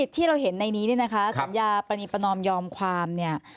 ที่เราเห็นในนี้นะคะสัญญาปรนิปนอมยอมความเนี่ย